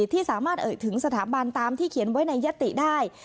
ที่สามารถเอ่ยถึงสถาบันตามที่เขียนไว้ในยติได้